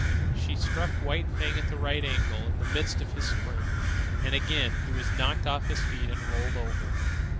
She struck White Fang at right angles in the midst of his spring, and again he was knocked off his feet and rolled over.